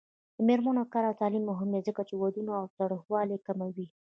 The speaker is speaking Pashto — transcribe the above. د میرمنو کار او تعلیم مهم دی ځکه چې ودونو تاوتریخوالي کموي.